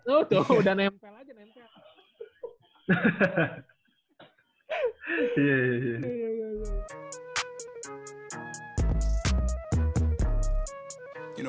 tuh udah nempel aja nempel